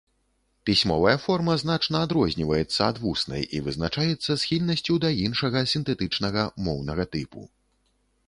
Пісьмовая форма значна адрозніваецца ад вуснай і вызначаецца схільнасцю да іншага, сінтэтычнага, моўнага тыпу.